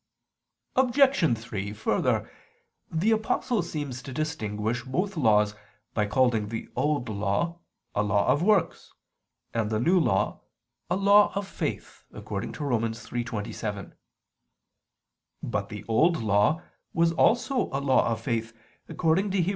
Obj. 3: Further, the Apostle seems to distinguish both laws by calling the Old Law "a law of works," and the New Law "a law of faith" (Rom. 3:27). But the Old Law was also a law of faith, according to Heb.